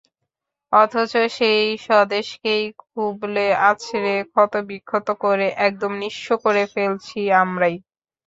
অথচ সেই স্বদেশকেই খুবলে, আঁচড়ে ক্ষতবিক্ষত করে একদম নিঃস্ব করে ফেলছি আমরাই।